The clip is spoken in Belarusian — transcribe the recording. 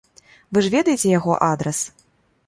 Вы ж ведаеце яго адрас?